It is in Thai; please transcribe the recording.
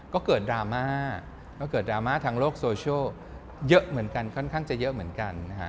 ก็เกิดดราม่าทางโลกโซเชียลเยอะเหมือนกันค่อนข้างจะเยอะเหมือนกัน